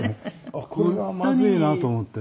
これはまずいなと思ってね。